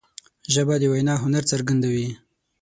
ژبه د وینا هنر څرګندوي